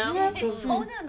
そうなの？